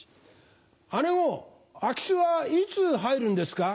姉御空き巣はいつ入るんですか？